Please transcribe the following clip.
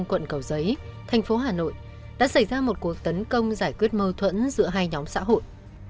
quận cầu giấy thành phố hà nội đã xảy ra một cuộc tấn công giải quyết mâu thuẫn giữa hai nhóm xã hội